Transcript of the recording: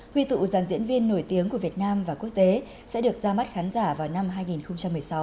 huy tụ giàn diễn viên nổi tiếng của việt nam và quốc tế sẽ được ra mắt khán giả vào năm hai nghìn một mươi sáu